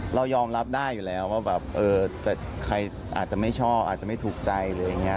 เรายอมรับได้อยู่แล้วว่าแบบใครอาจจะไม่ชอบอาจจะไม่ถูกใจหรืออะไรอย่างนี้